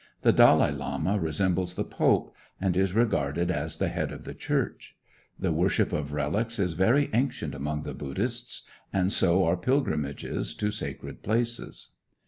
The Dalai Lama resembles the Pope, and is regarded as the head of the Church. The worship of relics is very ancient among the Buddhists, and so are pilgrimages to sacred places.